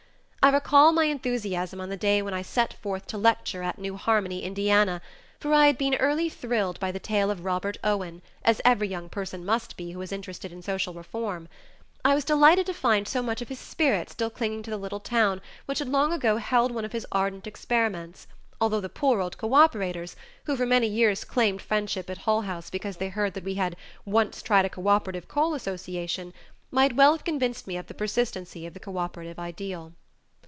I recall my enthusiasm on the day when I set forth to lecture at New Harmony, Indiana, for I had early been thrilled by the tale of Robert Owen, as every young person must be who is interested in social reform; I was delighted to find so much of his spirit still clinging to the little town which had long ago held one of his ardent experiments, although the poor old cooperators, who for many years claimed friendship at Hull House because they heard that we "had once tried a cooperative coal association," might well have convinced me of the persistency of the cooperative ideal.